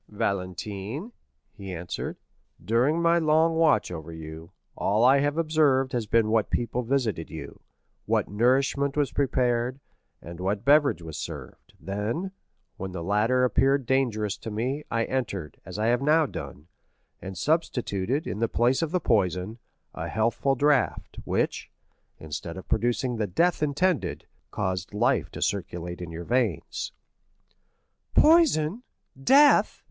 "Valentine," he answered, "during my long watch over you, all I have observed has been what people visited you, what nourishment was prepared, and what beverage was served; then, when the latter appeared dangerous to me, I entered, as I have now done, and substituted, in the place of the poison, a healthful draught; which, instead of producing the death intended, caused life to circulate in your veins." "Poison—death!"